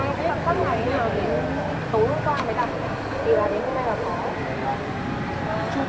dạ bọn em nhiều xe ở bên yên phủ nhưng mà cũng có thể trở về trung quốc